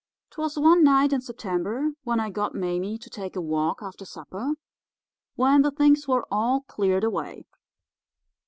"'Twas one night in September when I got Mame to take a walk after supper when the things were all cleared away.